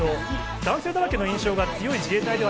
男性だらけの印象が強い自衛隊。